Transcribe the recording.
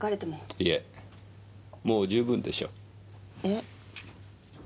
いえもう十分でしょう。え？